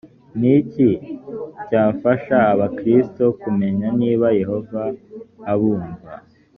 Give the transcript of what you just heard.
ni iki cyafasha abakristo kumenya niba yehova abumva